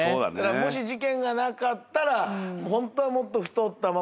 もし事件がなかったらホントはもっと太ったまま。